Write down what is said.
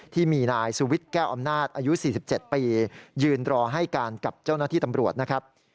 ที่มีนายสุวิทย์แก้วอำนาจอายุ๔๗ปียืนรอให้การกับเจ้าหน้าที่ตำรวจนะครับ